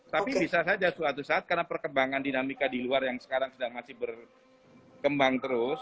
tapi bisa saja suatu saat karena perkembangan dinamika di luar yang sekarang sedang masih berkembang terus